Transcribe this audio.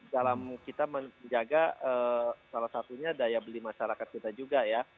dalam kita menjaga salah satunya daya beli masyarakat kita juga ya